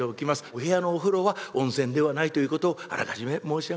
お部屋のお風呂は温泉ではないということをあらかじめ申し上げておきます」。